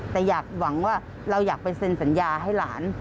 แต่อยากหวังว่าเราอยากไปเซ็นสัญญาให้หลาน